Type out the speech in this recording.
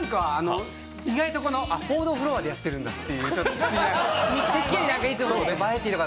意外と報道フロアでやったるんだっていうのが。